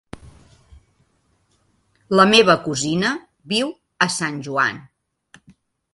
La meva cosina viu a Sant Joan.